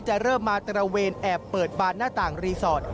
เริ่มมาตระเวนแอบเปิดบานหน้าต่างรีสอร์ท